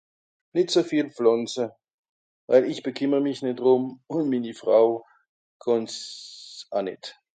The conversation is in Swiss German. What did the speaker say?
Nitt so viel Pflànze weil ich beküemmer mich nitt drumm un minni Frau kànn's a nitt